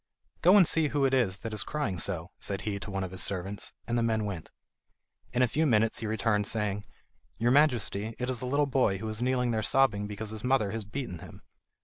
"Go and see who it is that is crying so," said he to one of his servants, and the man went. In a few minutes he returned saying: "Your Majesty, it is a little boy who is kneeling there sobbing because his mother has beaten him."